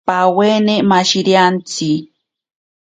Pawaine mashiriantsi.